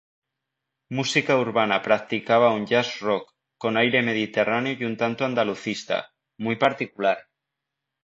Música Urbana practicaba un jazz-rock, con aire mediterráneo y un tanto andalucista, muy particular.